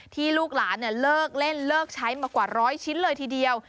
ลูกหลานเลิกเล่นเลิกใช้มากว่าร้อยชิ้นเลยทีเดียว